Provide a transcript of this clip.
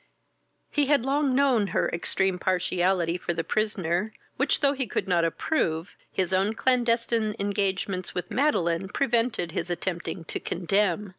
He had long known her extreme partiality for the prisoner, which, though he could not approve, his own clandestine engagements with Madeline prevented his attempting to condemn.